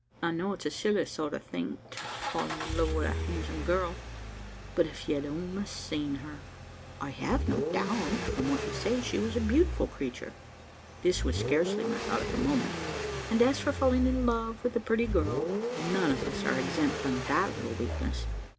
I know it's a silly sort o' thing to fall in love wi' a handsum girl; but if ye'd only seen her!" "I have no doubt, from what you say, she was a beautiful creature," this was scarcely my thought at the moment "and as for falling in love with a pretty girl, none of us are exempt from that little weakness.